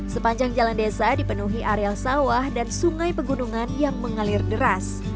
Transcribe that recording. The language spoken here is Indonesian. sepanjang jalan desa dipenuhi areal sawah dan sungai pegunungan yang mengalir deras